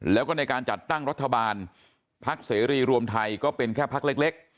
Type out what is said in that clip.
แล้วก็ในการจัดตั้งรัฐบาลพักเสรีรวมไทยก็เป็นแค่พักเล็ก